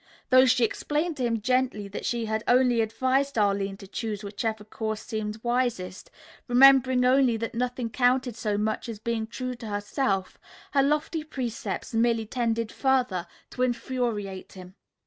Though she explained to him gently that she had only advised Arline to choose whichever course seemed wisest, remembering only that nothing counted so much as being true to herself, her lofty precepts merely tended further to infuriate him.